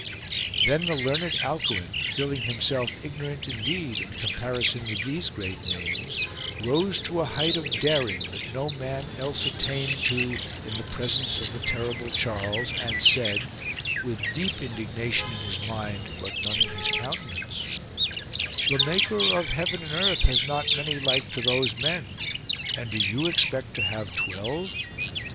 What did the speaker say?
Then the learned Alcuin, feeling himself ignorant indeed in comparison with these great names, rose to a height of daring, that no man else attained to in the presence of the terrible Charles, and said, with deep indignation in his mind but none in his countenance, " The Maker of heaven and earth has not many like to those men and do you expect to have twelve